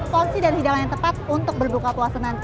porsi dan hidangan yang tepat untuk berbuka puasa nanti